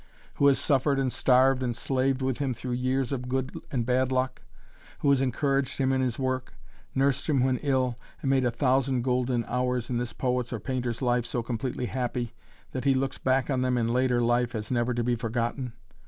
who has suffered and starved and slaved with him through years of days of good and bad luck who has encouraged him in his work, nursed him when ill, and made a thousand golden hours in this poet's or painter's life so completely happy, that he looks back on them in later life as never to be forgotten?